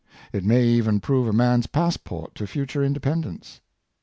It may even prove a man's passport to future independ ence.